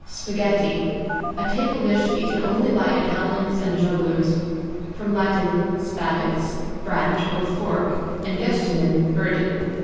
=SPAGHETTI= A table dish eaten only by Italians and jugglers. From Lat. spadix, branch, or fork, and gestamen, burden.